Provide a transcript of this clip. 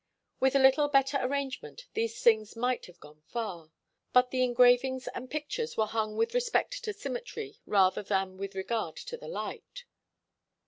With a little better arrangement, these things might have gone far. But the engravings and pictures were hung with respect to symmetry rather than with regard to the light.